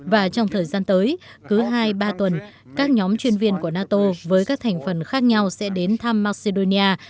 và trong thời gian tới cứ hai ba tuần các nhóm chuyên viên của nato với các thành phần khác nhau sẽ đến thăm macedonia